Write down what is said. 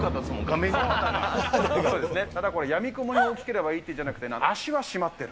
そうですね、ただこれ、やみくもに大きければいいというわけじゃなくて、足が締まってる。